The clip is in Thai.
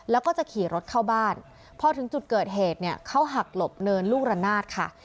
แล้วก็จะขี่รถเข้าบ้านพอถึงจุดเกิดเหตุเนี่ยเขาหักหลบเนินลูกระนาดค่ะ